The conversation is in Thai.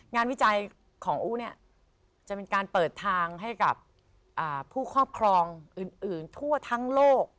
วิจัยของอู๋เนี่ยจะเป็นการเปิดทางให้กับผู้ครอบครองอื่นทั่วทั้งโลก